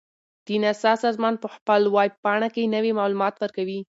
د ناسا سازمان په خپل ویب پاڼه کې نوي معلومات ورکوي.